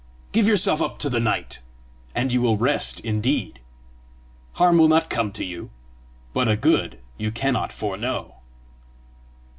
Give yourself up to the night, and you will rest indeed. Harm will not come to you, but a good you cannot foreknow."